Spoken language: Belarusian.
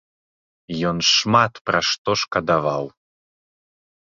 Ён шмат пра што шкадаваў.